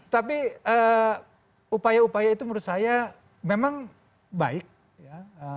tapi upaya upaya itu menurut saya memang baik ya